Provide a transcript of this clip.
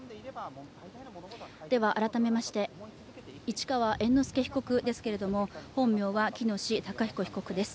改めまして、市川猿之助被告ですけれども本名は喜熨斗孝彦被告です。